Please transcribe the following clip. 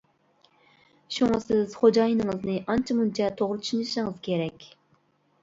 شۇڭا سىز خوجايىنىڭىزنى ئانچە-مۇنچە توغرا چۈشىنىشىڭىز كېرەك.